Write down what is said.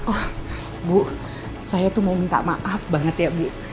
oh bu saya tuh mau minta maaf banget ya bu